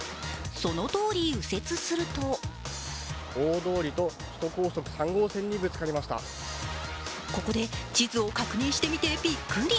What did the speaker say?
そのとおり右折するとここで地図を確認してみてびっくり。